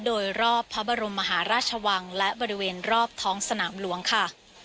โดยรอบพระบรมมหาราชวังและบริเวณรอบท้องสนามหลวงค่ะ